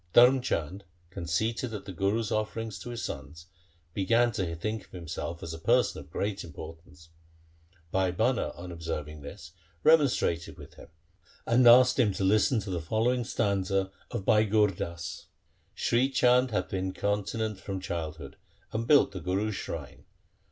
Dharm Chand, con ceited at the Guru's offering to his sons, began to think himself a person of great importance. Bhai Bhana on observing this remonstrated with him, and asked him to listen to the following stanza of Bhai Gur Das :— Sri Chand hath been continent from childhood and built the Guru's shrine.